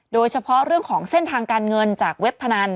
โดยเฉพาะเรื่องของเส้นทางการเงินจากเว็บพนัน